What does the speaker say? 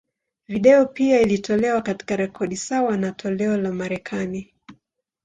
Video pia iliyotolewa, katika rekodi sawa na toleo la Marekani.